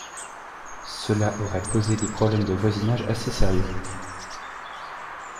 Cela aurait posé des problèmes de voisinages assez sérieux.